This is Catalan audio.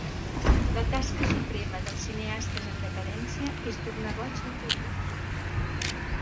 La tasca suprema dels cineastes en decadència és tornar boig al públic.